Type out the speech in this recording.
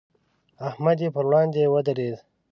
احمد یې پر وړاندې ودرېد.